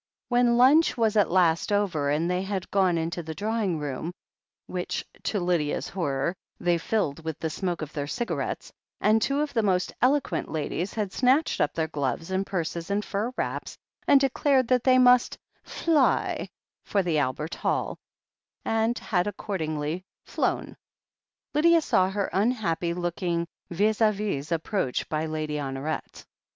When lunch was at last over and they had gone into the drawing room, which, to Lydia's horror, they filled with the smoke of their cigarettes, and two of the most eloquent ladies had snatched up their gloves and purses and fur wraps, and declared that they must fly for the Albert Hall, and had accordingly flown, Lydia saw her unhappy looking vis d vis approached by Lady Honoret.